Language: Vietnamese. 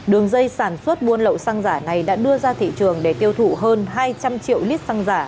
đường dây sản xuất buôn lậu xăng giả này đã đưa ra thị trường để tiêu thụ hơn hai trăm linh triệu lít xăng giả